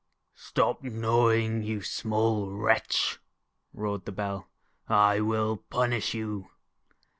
j> 2^1 "Stop gnawing, you small wretch," roared the Bell. " I will punish you."